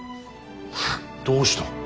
どうした。